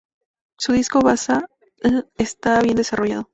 Su disco basal está bien desarrollado.